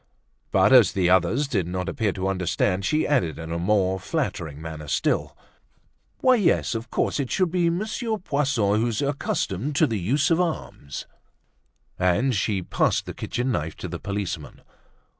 But, as the others did not appear to understand, she added in a more flattering manner still: "Why, yes, of course, it should be Monsieur Poisson, who's accustomed to the use of arms." And she passed the kitchen knife to the policeman.